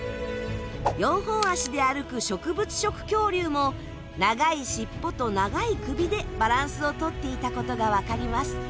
四本足で歩く植物食恐竜も長い尻尾と長い首でバランスをとっていたことがわかります。